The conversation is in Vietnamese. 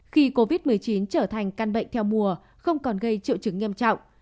khi covid một mươi chín trở thành căn bệnh theo mùa không còn gây triệu chứng nghiêm trọng